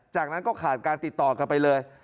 จากนั้นก็ขาดการติดต่อกันไปเลย